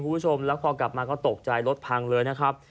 คุณผู้ชมแล้วพอกลับมาก็ตกใจรถพังเลยนะครับ